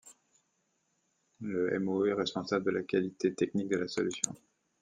Le MŒ est responsable de la qualité technique de la solution.